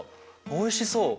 おいしそう。